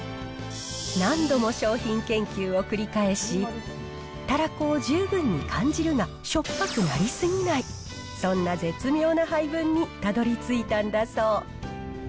何度も商品研究を繰り返し、たらこを十分に感じるがしょっぱくなり過ぎない、そんな絶妙な配分にたどりついたんだそう。